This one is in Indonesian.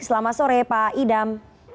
selamat sore pak idam